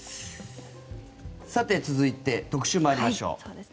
さて続いて特集に参りましょう。